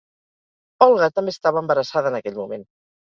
Olga també estava embarassada en aquell moment.